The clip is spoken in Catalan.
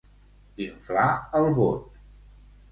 Inflar el bot.